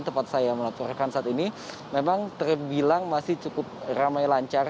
tempat saya melaporkan saat ini memang terbilang masih cukup ramai lancar